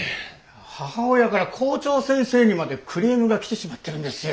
母親から校長先生にまでクレームが来てしまってるんですよ。